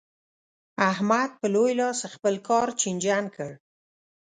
احمد په لوی لاس خپل کار چينجن کړ.